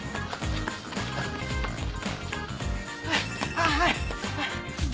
あぁはい。